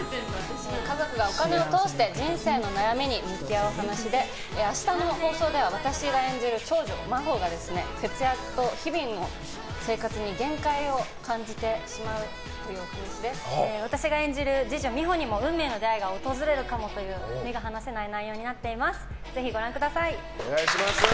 家族がお金を通して人生の悩みに向き合う話で明日の放送では私が演じる長女・真帆が節約と、日々の生活に限界を感じてしまうという私が演じる次女・美帆にも運命の出会いが訪れるかもという目が離せない内容になっています。